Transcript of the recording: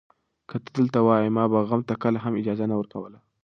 که ته دلته وای، ما به غم ته کله هم اجازه نه ورکوله.